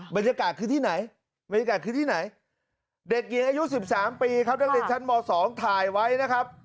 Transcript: บรรยากาศคือที่ไหนเด็กเกียร์อายุ๑๓ปีครับน้องเด็กชั้นบ๒ถ่ายไว้นะครับ